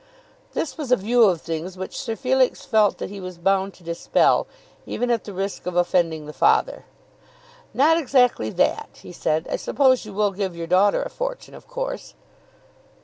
This was a view of things which Sir Felix felt that he was bound to dispel, even at the risk of offending the father. "Not exactly that," he said. "I suppose you will give your daughter a fortune, of course."